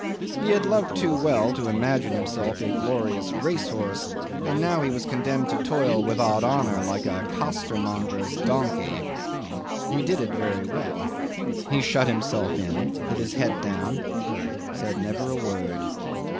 He had loved too well to imagine himself a glorious racehorse, and now he was condemned to toil without honour like a costermonger's donkey. He did it very well. He shut himself in, put his head down, said never a word.